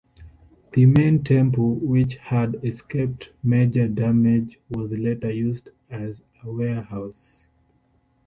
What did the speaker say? The main temple, which had escaped major damage, was later used as a warehouse.